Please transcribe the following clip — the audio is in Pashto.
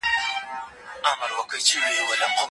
دا کار کېدای سي.